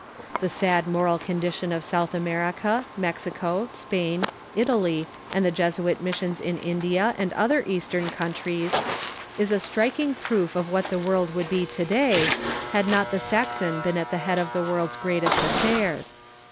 The sad moral condi tion of South America, Mexico, Spain, Italy, and the Jesuit missions in India and other Eastern countries, is a striking proof of what the world would be to day had not the Saxon been at the head of the world's greatest affairs.